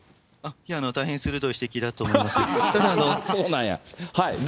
大変鋭い指摘だと思いますけど。